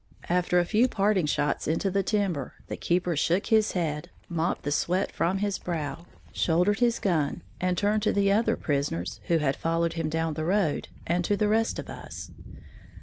After a few parting shots into the timber, the keeper shook his head, mopped the sweat from his brow, shouldered his gun and turned to the other prisoners, who had followed him down the road, and to the rest of us.